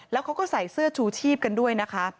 แล้วเขาก็ใส่เสื้อชูชีพกันด้วยนะคะ